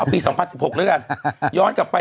เอาปี๒๐๑๖ด้วยกันย้อนกลับไป